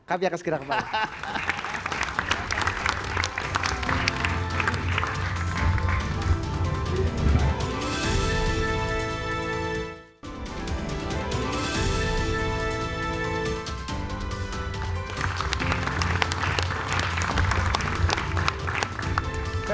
kami akan segera kembali